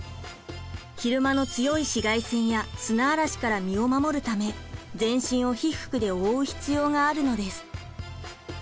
昼間の強い紫外線や砂嵐から身を守るため全身を被服で覆う必要があるのです。